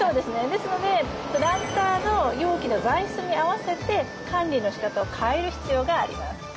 ですのでプランターの容器の材質に合わせて管理のしかたを変える必要があります。